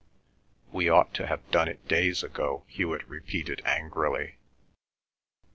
"We ought to have done it days ago," Hewet repeated angrily.